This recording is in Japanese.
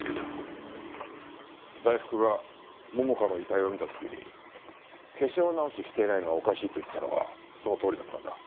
大福が桃花の遺体を見た時に化粧直ししていないのはおかしいと言ったのはそのとおりだったんだ。